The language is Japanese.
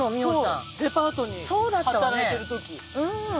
そうデパートで働いてる時。